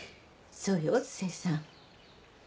そうよ清さん。